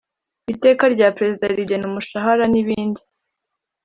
Iteka rya Perezida rigena umushahara n ibindi